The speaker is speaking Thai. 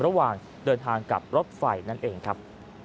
ระหว่างเดินทางกับรถไฟนั่นเองครับ